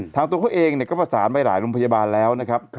ตัวเขาเองก็ประสานไปหลายโรงพยาบาลแล้วนะครับ